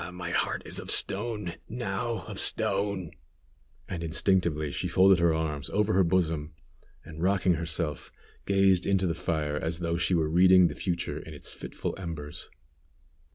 Ah! my heart is of stone, now of stone!" and instinctively she folded her arms over her bosom, and, rocking herself, gazed into the fire as though she were reading the future in its fitful embers.